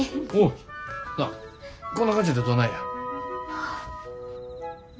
なあこんな感じでどないや。